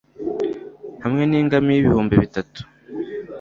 hamwe n'ingamiya ibihumbi bitatu